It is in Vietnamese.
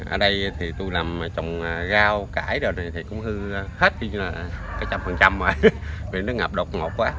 ở đây thì tôi làm trồng gao cải rồi thì cũng hư hết một trăm linh rồi vì nước ngập đột ngột quá